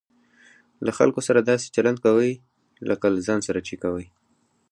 له خلکو سره داسي چلند کوئ؛ لکه له ځان سره چې کوى.